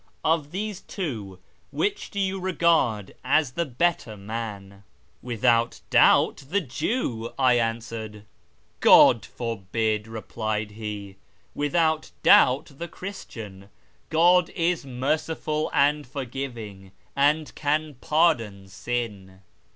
Of these two, which do you regard as the better man ?"'• Without doubt the Jew," I answered. " God forbid !" replied he. " Without doubt the Christian. God is merciful and forgiving, and can pardon sin."